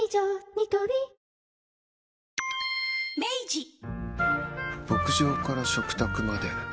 ニトリ牧場から食卓まで。